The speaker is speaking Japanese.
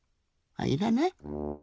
あいらない？